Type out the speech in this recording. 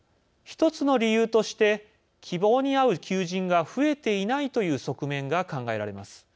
１つの理由として希望に合う求人が増えていないという側面が考えられます。